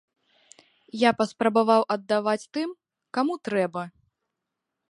Я паспрабаваў аддаваць тым, каму трэба.